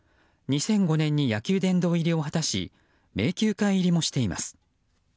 ２００５年に野球殿堂入りを果たし名球会入りもしています。